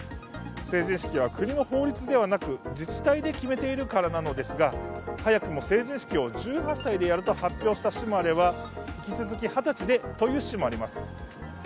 成人式は国の法律ではなく自治体で決めているからなのですが、早くも成人式を１８歳でやると発表した市もあれば引き続き二十歳でという市もあります。